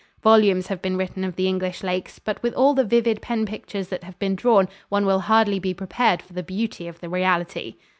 Volumes have been written of the English lakes, but with all the vivid pen pictures that have been drawn one will hardly be prepared for the beauty of the reality.